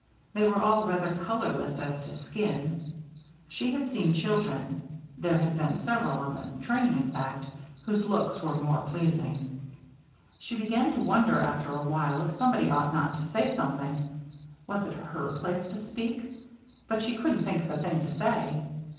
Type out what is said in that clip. They were all rather colorless as to skin. She had seen children there had been several on the train, in fact whose looks were more pleasing. She began to wonder after a while if somebody ought not to say something. Was it her place to speak? But she couldn't think of a thing to say.